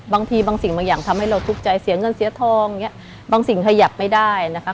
บางทีบางสิ่งบางอย่างทำให้เราทุกข์ใจเสียเงินเสียทองอย่างเงี้ยบางสิ่งขยับไม่ได้นะคะ